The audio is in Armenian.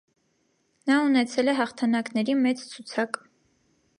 Նա ունեցել է հաղթանակների մեծ ցուցակ։